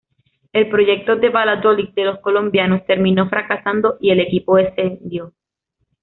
El proyecto del "Valladolid de los colombianos" terminó fracasando y el equipó descendió.